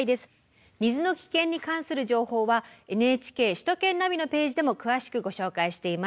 水の危険に関する情報は「ＮＨＫ首都圏ナビ」のページでも詳しくご紹介しています。